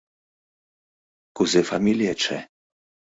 Кузе фамилиетше?